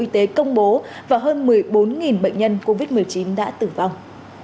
y tế công bố và hơn một mươi bốn bệnh nhân covid một mươi chín đã tử vong